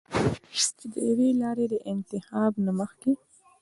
چې د يوې لارې د انتخاب نه مخکښې